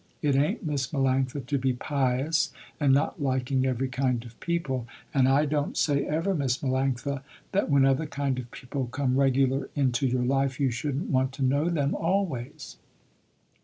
It ain't Miss Melanctha to be pious and not liking every kind of people, and I don't say ever Miss Melanctha that when other kind of people come regular into your life you shouldn't want to know them always.